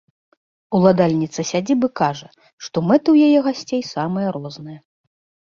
Уладальніца сядзібы кажа, што мэты ў яе гасцей самыя розныя.